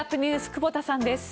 久保田さんです。